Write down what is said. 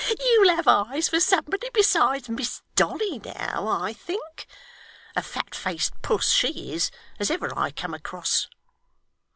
He, he, he! You'll have eyes for somebody besides Miss Dolly now, I think. A fat faced puss she is, as ever I come across!